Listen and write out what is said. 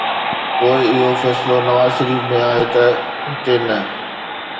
پوءِ اهو فيصلو نواز شريف ۾ آهي ته هتي نه.